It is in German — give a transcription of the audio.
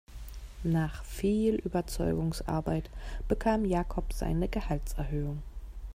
Nach viel Überzeugungsarbeit bekam Jakob seine Gehaltserhöhung.